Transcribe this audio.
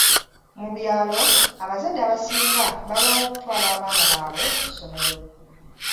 Mu byalo, abazadde abasinga balwawo okutwala abaana baabwe ku ssomero.